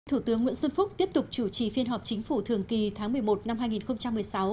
thủ tướng nguyễn xuân phúc tiếp tục chủ trì phiên họp chính phủ thường kỳ tháng một mươi một năm hai nghìn một mươi sáu